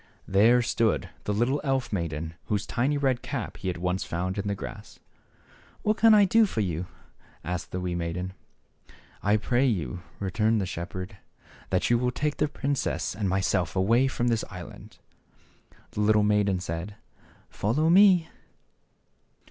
There stood the little elf maiden whose tiny red cap he had once found in the grass. 72 THE SHEPHEBD BOY. " What can I do for you ?" asked the wee maiden. "I pray you," returned the shepherd, " that you will take the princess and myself away from this island."' The little maiden said, " Follow me."